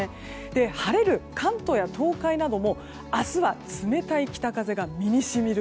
晴れる関東や東海なども明日は冷たい北風が身に染みる。